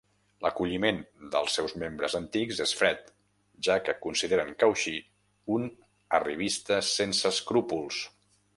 L'acolliment dels seus membres antics és fred, ja que consideren Cauchy un arribista sense escrúpols.